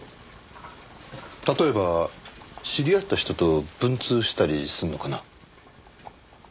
例えば知り合った人と文通したりするのかな？